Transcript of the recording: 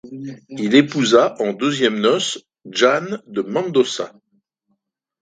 Il épousa en deuxièmes noces Jeanne de Mendonça.